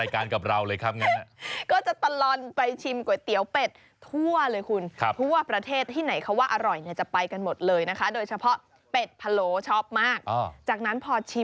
ก๋วยเตี๋ยวมากเพราะว่าจะคอยตัลลน